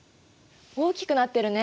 大きくなってるね。